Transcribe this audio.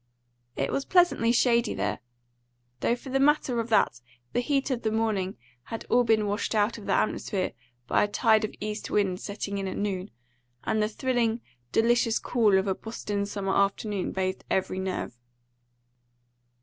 It was pleasantly shady there, though for the matter of that the heat of the morning had all been washed out of the atmosphere by a tide of east wind setting in at noon, and the thrilling, delicious cool of a Boston summer afternoon bathed every nerve.